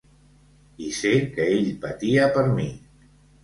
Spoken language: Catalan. I sé que ell patia per mi.